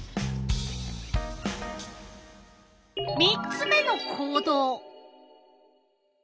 ３つ目の行動。